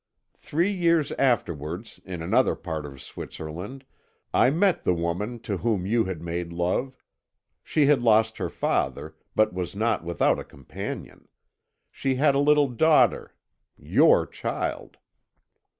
"Three years afterwards in another part of Switzerland I met the woman to whom you had made love; she had lost her father, but was not without a companion. She had a little daughter your child!"